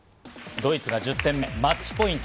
ドイツが１０点目、マッチポイント。